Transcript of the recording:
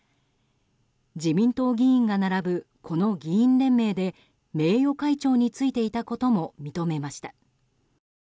自民党議員が並ぶこの議員連盟で名誉会長に就いていたことも認めました。